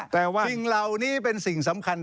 แต่ว่าสิ่งเหล่านี้เป็นสิ่งสำคัญ